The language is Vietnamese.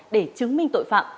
để chứng minh tội phạm